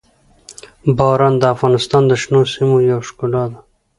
باران د افغانستان د شنو سیمو یوه ښکلا ده.